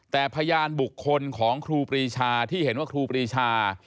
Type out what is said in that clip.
แต่พยานบุคคลของครูปรีชาที่เห็นว่าครูปรีชา